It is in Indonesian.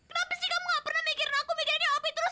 kenapa sih kamu gak pernah mikirin aku mikirin opi terus